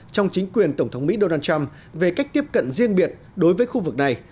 trong chính quyền tổng thống mỹ donald trump về cách tiếp cận riêng biệt đối với khu vực này